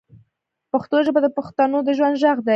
پښتو ژبه د بښتنو د ژوند ږغ دی